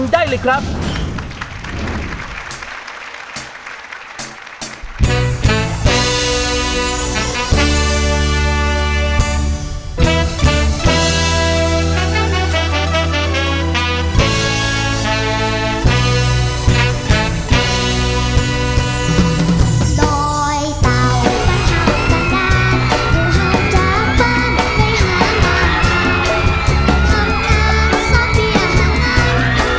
ยังเพราะความสำคัญ